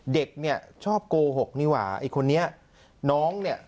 เด็กเนี่ยชอบโกหกนี่ว่าไอ้คนนี้น้องเนี่ย